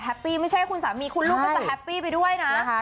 ปี้ไม่ใช่คุณสามีคุณลูกก็จะแฮปปี้ไปด้วยนะ